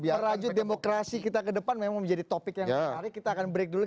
merajut demokrasi kita ke depan memang menjadi topik yang menarik kita akan break dulu